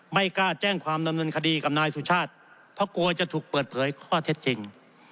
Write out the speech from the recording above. ไม่กล้าแจ้งความดำเนินคดีกับนายสุชาติเพราะกลัวจะถูกเปิดเผยข้อเท็จจริง